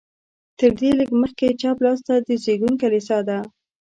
تر دې لږ مخکې چپ لاس ته د زېږون کلیسا ده.